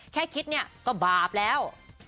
แค่คิดเนี่ยก็บาปแล้ว